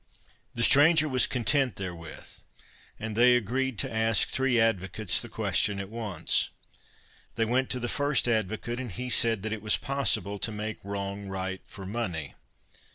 The stranger was content therewith, and they agreed to ask three advocates the question at once. They went to the first advocate, and he said that it was possible to make wrong right for money.